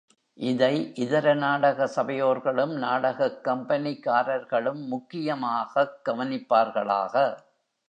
இதை இதர நாடக சபையோர்களும், நாடகக் கம்பெனிக்காரர்களும் முக்கியமாகக் கவனிப்பார்களாக.